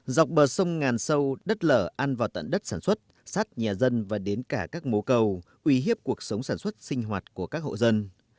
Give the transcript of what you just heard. dọc bờ sông ngàn sâu đất lở ăn vào tận đất sản xuất sắt nhà dân và đến cả các mố cầu uy hiếp cuộc sống sản xuất sinh hoạt của các hộ dân